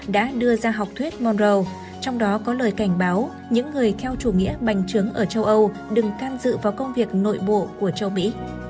đã đưa ra học thuyết monrow trong đó có lời cảnh báo những người theo chủ nghĩa bành trướng ở châu âu đừng can dự vào công việc nội bộ của châu mỹ